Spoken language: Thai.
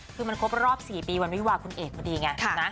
คือมันครบรอบ๔ปีวันวิวาคุณเอกพอดีไง